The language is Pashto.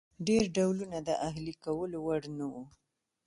ډېر ډولونه د اهلي کولو وړ نه وو.